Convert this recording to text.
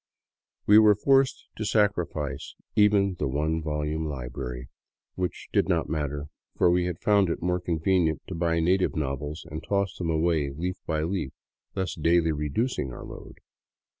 We were forced to sacri fice even the " One Volume Library," which did not matter, for we had found it more convenient to buy native novels and toss them away leaf by leaf, thus daily reducing our load.